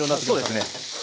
そうですね。